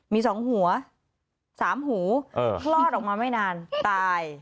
มี๒หัว๓หูคลอดออกมาไม่นานตาย